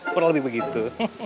perlu lebih begitu